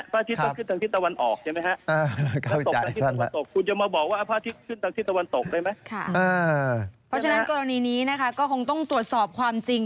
เพราะฉะนั้นกรณีนี้นะคะก็คงต้องตรวจสอบความจริง